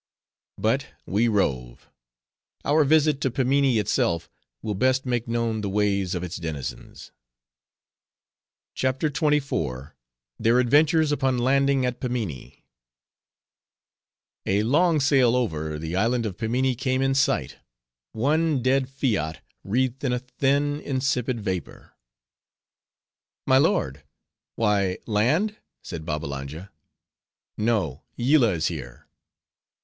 But we rove. Our visit to Pimminee itself, will best make known the ways of its denizens. CHAPTER XXIV. Their Adventures Upon Landing At Pimminee A long sail over, the island of Pimminee came in sight; one dead fiat, wreathed in a thin, insipid vapor. "My lord, why land?" said Babbalanja; "no Yillah is here."